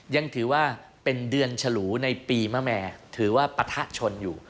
ยังถือว่าเป็นเดือนฉลูในปีมะแม่ถือว่าปะทะชนอยู่